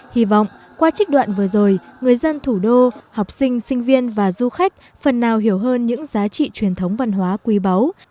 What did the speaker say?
hy vọng qua trích đoạn vừa rồi người dân thủ đô học sinh sinh viên và du khách phần nào hiểu hơn những giá trị truyền thống văn hóa quý báu